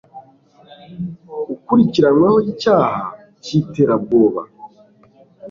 ukurikiranyweho icyaha kimwe cy'iterabwoba